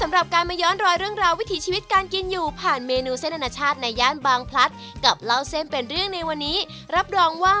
สำหรับการมาย้อนรอยเรื่องราววิถีชีวิตการกินอยู่ผ่านเมนูเส้นอนาชาติในย่านบางพลัดกับเล่าเส้นเป็นเรื่องในวันนี้รับรองว่า